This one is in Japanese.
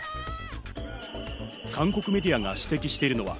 韓国メディアが指摘しているのは